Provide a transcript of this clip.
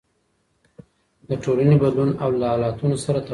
د ټولنې بدلون له حالتونو سره تړلی دی.